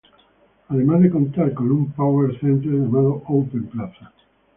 Además de contar con un Power center llamado Open Plaza.